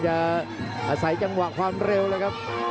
จริงครับ